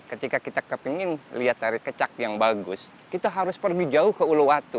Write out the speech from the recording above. ketika kita ingin lihat dari kecak yang bagus kita harus pergi jauh ke uluwatu